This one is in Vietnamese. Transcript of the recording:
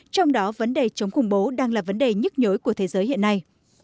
trong đó vấn đề chống khủng bố đang là vấn đề nhức nhối của thế giới hiện nay